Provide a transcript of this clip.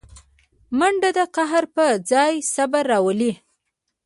منډه د قهر پر ځای صبر راولي